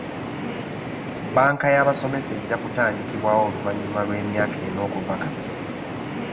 Bbanka y'abasomesa ejja kutandikibwawo oluvannyuma lw'emyaka ena okuva kati.